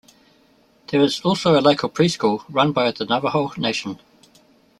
There is also a local preschool run by the Navajo Nation.